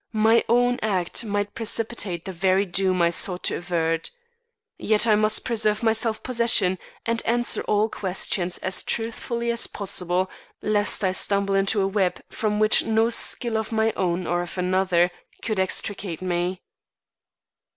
My own act might precipitate the very doom I sought to avert. Yet I must preserve my self possession and answer all questions as truthfully as possible lest I stumble into a web from which no skill of my own or of another could extricate me.